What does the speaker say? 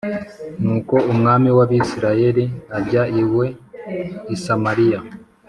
Nuko umwami w’Abisirayeli ajya iwe i Samariya